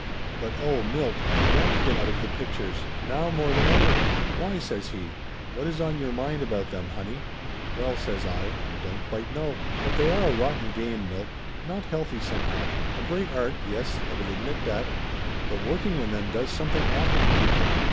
But oh, Milt, I want to get out of the pictures. Now more than ever." "Why?" says he. "What is on your mind about them, honey?" "Well," says I, "I don't quite know. But they are a rotten game, Milt. Not healthy, somehow. A great art, yes, I will admit that, but working in them does something awful to people.